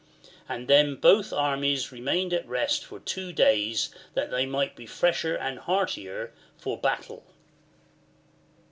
And then both armies remained at rest for two days that they might be fresher and heartier for battle.